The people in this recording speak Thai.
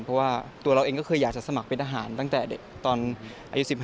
เพราะว่าตัวเราเองก็เคยอยากจะสมัครเป็นทหารตั้งแต่เด็กตอนอายุ๑๕